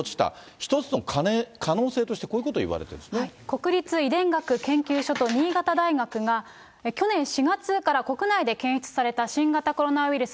一つの可能性として、こういうこ国立遺伝学研究所と新潟大学が、去年４月から国内で検出された新型コロナウイルス